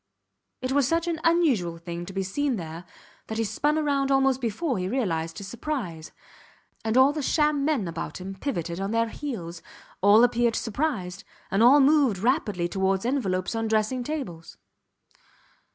It was such an unusual thing to be seen there that he spun round almost before he realized his surprise; and all the sham men about him pivoted on their heels; all appeared surprised; and all moved rapidly towards envelopes on dressing tables.